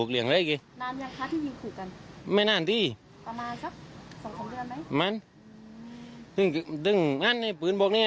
คุณบ้าพวกมันไม่รู้กันว่ามันเก่งไงเลย